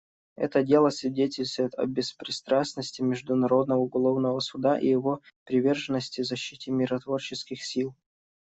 Это дело свидетельствует о беспристрастности Международного уголовного суда и его приверженности защите миротворческих сил.